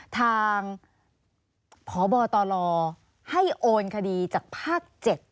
ทางพบตลให้โอนคดีจากภาค๗